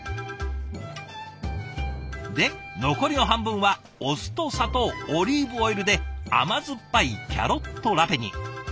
で残りの半分はお酢と砂糖オリーブオイルで甘酸っぱいキャロットラペに。